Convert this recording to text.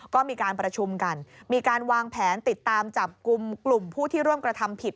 ก็มีการประชุมกันมีการวางแผนติดตามจับกลุ่มกลุ่มผู้ที่ร่วมกระทำผิด